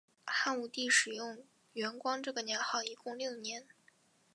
汉武帝使用元光这个年号一共六年。